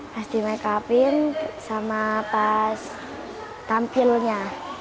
pas di make up in sama pas tampilnya